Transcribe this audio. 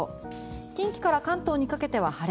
近畿から関東にかけては晴れ。